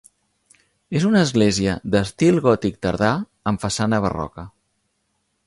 És una església d'estil gòtic tardà amb façana barroca.